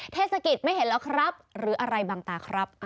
เทศกิจไม่เห็นแล้วครับหรืออะไรบางตาครับ